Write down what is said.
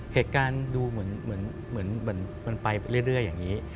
เหตุการณ์ดูเหมือนมันไปเรื่อยอย่างนี้